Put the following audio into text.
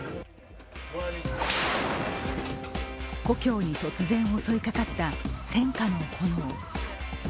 故郷に突然襲いかかった戦禍の炎。